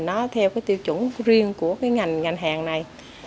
nó theo cái tiêu chuẩn riêng của cái ngành ngành hàng này